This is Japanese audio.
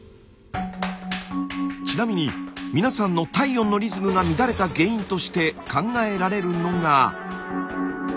ちなみに皆さんの体温のリズムが乱れた原因として考えられるのが。